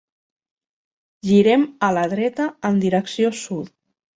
Girem a la dreta en direcció sud.